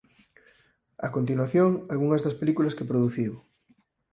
A continuación algunhas das películas que produciu.